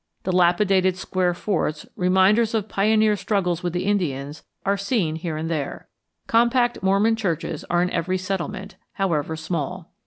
Dilapidated square forts, reminders of pioneer struggles with the Indians, are seen here and there. Compact Mormon churches are in every settlement, however small.